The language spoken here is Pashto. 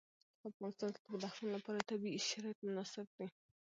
په افغانستان کې د بدخشان لپاره طبیعي شرایط مناسب دي.